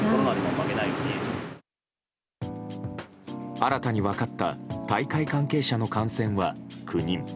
新たに分かった大会関係者の感染は９人。